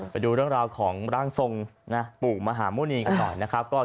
ไปดูเรื่องราวของร่างทรงปู่มหาหมุนีกันหน่อยนะครับ